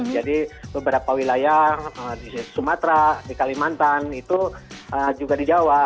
jadi beberapa wilayah di sumatera di kalimantan itu juga di jawa